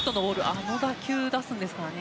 あの打球を出すんですからね。